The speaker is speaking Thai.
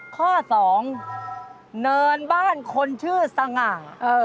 ข้อ๒เนินบ้านคนชื่อสง่า